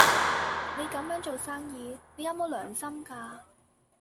你咁樣做生意，你有冇良心㗎？